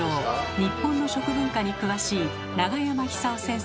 日本の食文化に詳しい永山久夫先生。